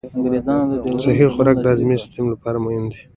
صحي خوراک د هاضمي سیستم لپاره مهم دی.